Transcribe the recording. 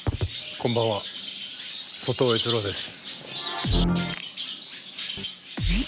こんばんは外尾悦郎です。